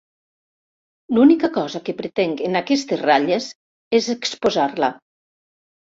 L'única cosa que pretenc en aquestes ratlles és exposar-la.